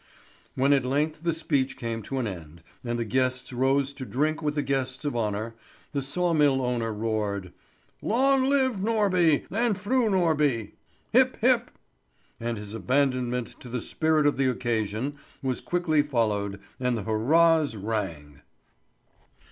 When at length the speech came to an end, and the guests rose to drink with the guests of honour, the saw mill owner roared: "Long live Norby and Fru Norby! Hip, hip!" And his abandonment to the spirit of the occasion was quickly followed, and the hurrahs rang.